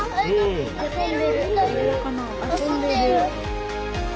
遊んでる。